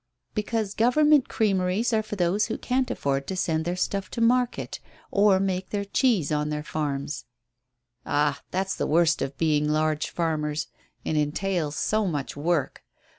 "Because Government creameries are for those who can't afford to send their stuff to market, or make their cheese on their farms." "Ah, that's the worst of being large farmers, it entails so much work.